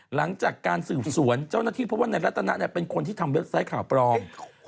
หลังจากการสืบสวนเจ้าหน้าที่เพราะว่าในรัฐนะเป็นคนที่ทำเว็บไซต์ข่าวปลอม